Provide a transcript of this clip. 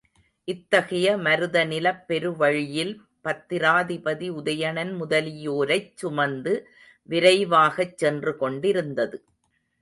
இத்தகைய மருத நிலப் பெருவழியில் பத்திராபதி உதயணன் முதலியோரைச் சுமந்து விரைவாகச் சென்று கொண்டிருந்தது.